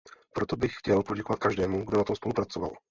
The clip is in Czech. Proto bych chtěl poděkovat každému, kdo na tom spolupracoval.